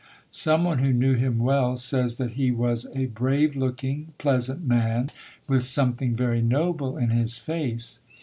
Some one who knew him well says that he was a brave looking, pleasant man with something very noble in his face.